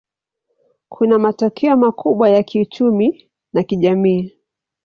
Kuna matokeo makubwa ya kiuchumi na kijamii.